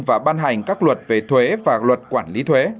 và ban hành các luật về thuế và luật quản lý thuế